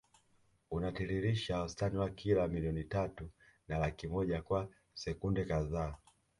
Unatiririsha wastani wa lita milioni tatu na laki moja kwa sekunde kadhaa